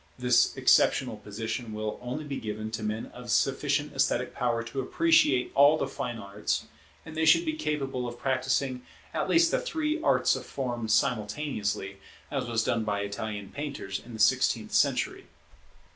This exceptional position will only be given to men of sufficient esthetic power to appreciate all the fine arts; and they should be capable of practising at least the three arts of form simultaneously, as was done by Italian painters in the sixteenth century.